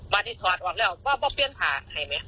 วันนี้ถอดออกแล้วก็มาเปลี่ยนผ่าให้ไหม